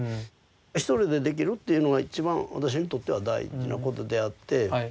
１人でできるっていうのがいちばん私にとっては大事なことであって。